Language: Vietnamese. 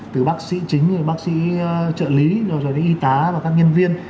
từ bác sĩ chính rồi bác sĩ trợ lý rồi đến y tá và các nhân viên